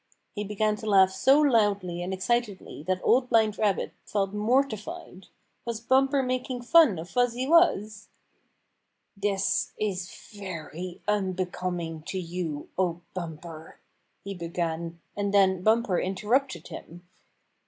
He began to laugh so loudly and excitedly that Old Blind Rabbit felt mortified. Was Bumper making fun of Fuzzy Wuzz? " This is very unbecoming to you, O Bumper,'* he began, and then Bumper interrupted him.